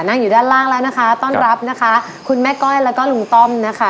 อยู่ด้านล่างแล้วนะคะต้อนรับนะคะคุณแม่ก้อยแล้วก็ลุงต้อมนะคะ